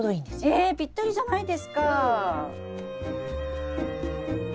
えぴったりじゃないですか！